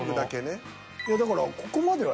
いやだから。